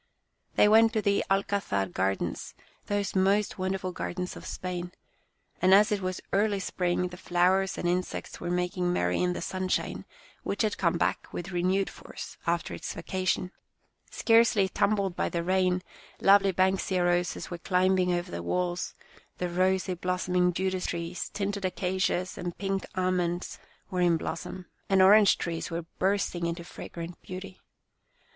They went to the Alcazar gardens, those most wonderful gardens of Spain, and as it was early spring the flowers and insects were making merry in the sunshine, which had come back with renewed force, after its vacation. Scarcely "THEY WENT TO THE ALCAZAR GARDENS.' Rainy Days 85 tumbled by the rain, lovely banksia roses were climbing over the walls, the rosy, blossoming judas trees, tinted acacias, and pink almonds were in bloom, and orange trees were bursting into fragrant beauty.